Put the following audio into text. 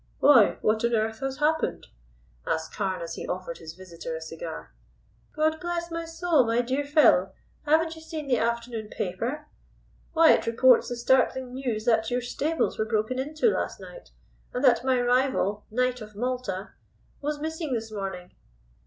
"Why, what on earth has happened?" asked Carne, as he offered his visitor a cigar. "God bless my soul, my dear fellow! Haven't you seen the afternoon paper? Why, it reports the startling news that your stables were broken into last night, and that my rival, Knight of Malta, was missing this morning."